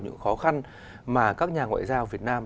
những khó khăn mà các nhà ngoại giao việt nam